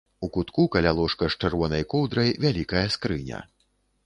У кутку каля ложка з чырвонай коўдрай вялікая скрыня.